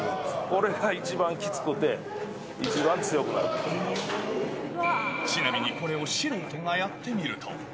これが一番きつくて、一番強くなちなみにこれを素人がやってみると。